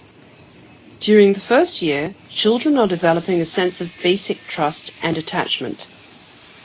During the first year, children are developing a sense of basic trust and attachment.